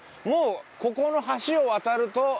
もうここの橋を渡ると。